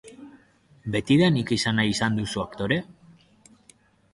Betidanik izan nahi izan duzu aktore?